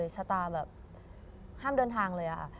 ชะตาแบบห้ามเดินทางเลยค่ะ